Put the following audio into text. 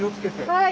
はい。